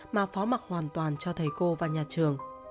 mà phó mặt hoàn toàn cho thầy cô và nhà trường